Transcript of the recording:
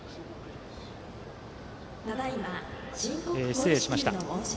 失礼しました。